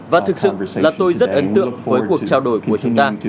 và thực sự là tôi rất ấn tượng với cuộc trao đổi của chúng ta